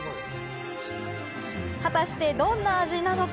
果たしてどんな味なのか。